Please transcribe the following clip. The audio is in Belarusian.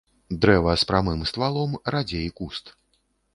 Дрэва з прамым ствалом, радзей куст.